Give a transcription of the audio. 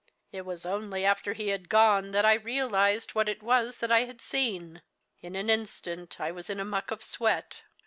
It was only after he had gone that I realised what it was that I had seen. In an instant I was in a muck of sweat.